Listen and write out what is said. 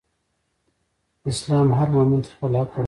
اسلام هر مؤمن ته خپل حق ورکړی دئ.